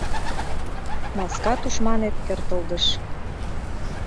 Маска тушманет кертылдыш.